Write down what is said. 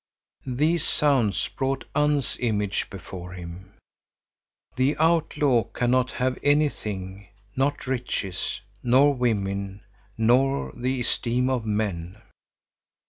These sounds brought Unn's image before him.—The outlaw cannot have anything, not riches, nor women, nor the esteem of men.